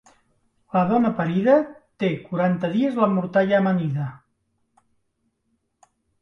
La dona parida té quaranta dies la mortalla amanida.